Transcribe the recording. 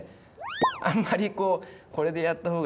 あんまりこう「これでやった方がいいかな？」